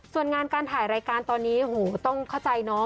ส่วนงานการถ่ายรายการตอนนี้โอ้โหต้องเข้าใจเนาะ